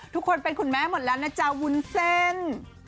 ทุกคนเป็นคุณแม่หมดแล้วนะจ๊ะวุ้นเส้น